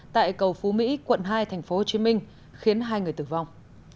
tại cầu phú mỹ quận hai tp hcm khiến hai người tử vong